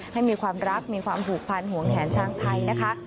ให้มีความรักมีความผูกพันหวงแหนช้างไทยนะคะ